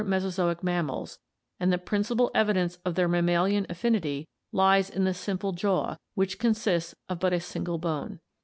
1™ Mesozoic mammals and the principal evidence of their mam malian affinity lies in the simple jaw, which consists of but a single bone (Fig.